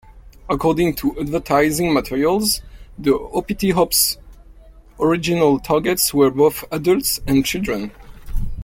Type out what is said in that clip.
According to advertising materials, the Hoppity Hop's original targets were both adults and children.